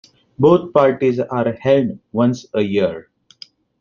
Both parties are held once a year.